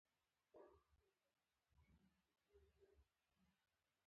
سوداګري د لومړي بین المللي اړیکو او تړونونو رامینځته کیدو لامل شوه